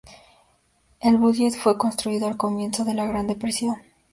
El Bullet fue construido al comienzo de la Gran Depresión.